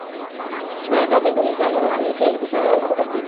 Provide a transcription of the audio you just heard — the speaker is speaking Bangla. হ্যাঁ, তবে তুমি জানো আমি সেই বিষয়ে অবগত।